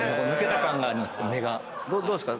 どうですか？